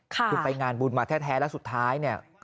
คุณไปงานบูรณ์มาแท้แล้วสุดท้าย